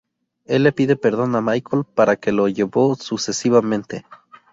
Él le pide perdón a Michael para que lo llevó sucesivamente.